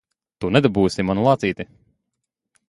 Tu nedabūsi manu lācīti!